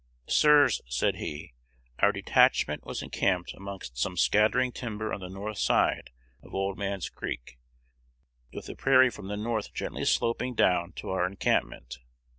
'Sirs,' said he, 'our detachment was encamped amongst some scattering timber on the north side of Old Man's Creek, with the prairie from the north gently sloping down to our encampment.